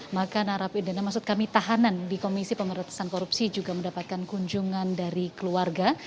maka narapidana maksud kami tahanan di komisi pemerintahan korupsi juga mendapatkan kunjungan dari keluarga